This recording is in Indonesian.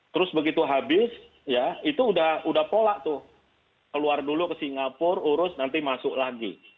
terus begitu habis ya itu udah pola tuh keluar dulu ke singapura urus nanti masuk lagi